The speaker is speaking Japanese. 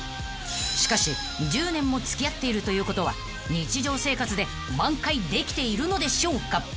［しかし１０年も付き合っているということは日常生活で挽回できているのでしょうか？］